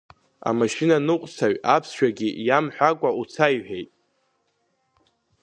Амашьынаныҟәцаҩ аԥсшәагьы иамҳәакәа уца иҳәеит.